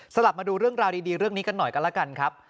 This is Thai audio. กลับมาดูเรื่องราวดีเรื่องนี้กันหน่อยกันแล้วกันครับ